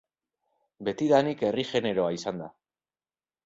Betidanik herri generoa izan da.